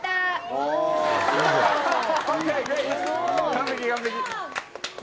完璧完璧！